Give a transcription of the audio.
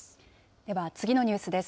では次のニュースです。